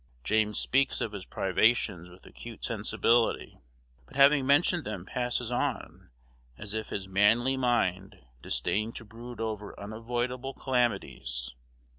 James speaks of his privations with acute sensibility, but having mentioned them passes on, as if his manly mind disdained to brood over unavoidable calamities.